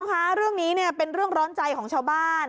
คุณผู้ชมคะเรื่องนี้เนี่ยเป็นเรื่องร้อนใจของชาวบ้าน